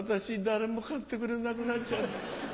誰も買ってくれなくなっちゃった。